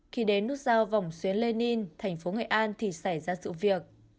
khi đến nút giao vòng xuyến lê ninh thành phố nghệ an thì xảy ra sự việc